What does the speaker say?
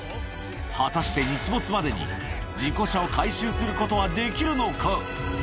果たして日没までに事故車を回収することはできるのか。